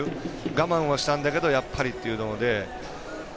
我慢はしたけどやっぱりというので。